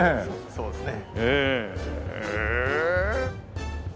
そうですね。